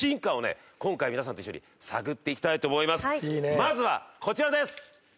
まずはこちらです。